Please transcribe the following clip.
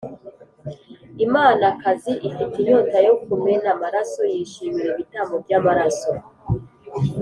imanakazi ifite inyota yo kumena amaraso yishimira ibitambo by’amaraso.